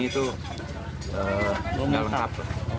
ini tidak lengkap